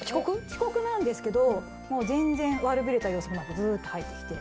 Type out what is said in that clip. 遅刻なんですけどもう全然悪びれた様子もなくスーッと入ってきて。